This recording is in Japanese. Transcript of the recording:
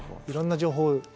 いろんな情報を。